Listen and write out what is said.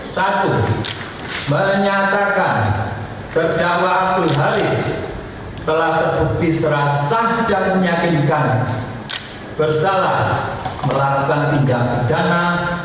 satu menyatakan berdakwah abdul haris telah terbukti serah sah dan menyakinkan bersalah melakukan tindak perdana